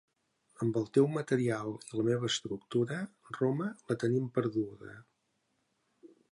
Amb el teu material i la meva estructura, Roma la tenim perduda.